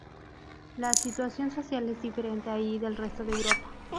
La situación social es diferente allí del resto de Europa.